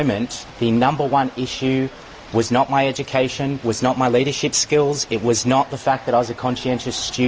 saya menunjukkan bahwa saya gay di saat proses itu